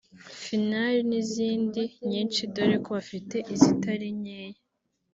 Final n’izindi nyinshi dore ko bafite izitari nkeya